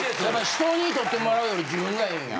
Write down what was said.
人に撮ってもらうより自分がええんや。